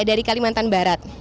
dari kalimantan barat